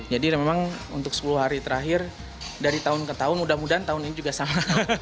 jadi memang untuk sepuluh hari terakhir dari tahun ke tahun mudah mudahan tahun ini juga sama